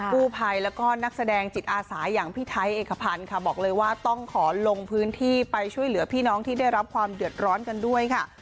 ผู้ภัยแล้วก็นักแสดงจิตอาสาอย่างพี่ไทยเอกพันธ์ค่ะบอกเลยว่าต้องขอลงพื้นที่ไปช่วยเหลือพี่น้องที่ได้รับความเดือดร้อนกันด้วยค่ะ